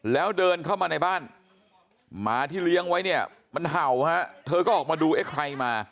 แล้วเดินเข้ามาในบ้านหมาที่เลี้ยงไว้เนี่ยมันเห่าฮะเธอก็ออกมาดูเอ๊ะใครมา